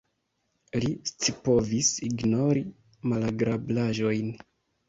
Li scipovis ignori malagrablaĵojn.